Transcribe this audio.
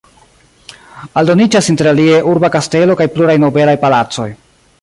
Aldoniĝas inter alie urba kastelo kaj pluraj nobelaj palacoj.